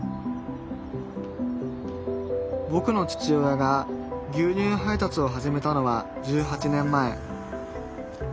ぼくの父親が牛乳配達を始めたのは１８年前。